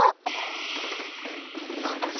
彼女？